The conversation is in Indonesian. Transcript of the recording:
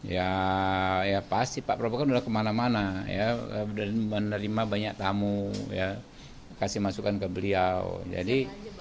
ya ya pasti pak prabowo kan udah kemana mana ya dan menerima banyak tamu ya kasih masukan ke beliau jadi